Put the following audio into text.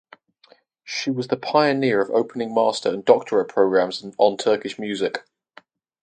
She was the pioneer of opening master and doctorate programs on Turkish Music.